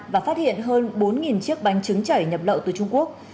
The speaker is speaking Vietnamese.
và phát hiện hơn bốn chiếc bánh trứng chảy nhập lậu từ trung quốc